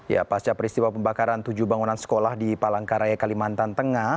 ya pasca peristiwa pembakaran tujuh bangunan sekolah di palangkaraya kalimantan tengah